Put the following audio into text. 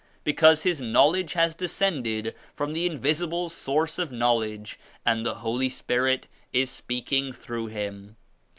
Because his Knowledge has descended from the 103 Invisible Source of Knowledge and the Holy Spirit is speaking through him.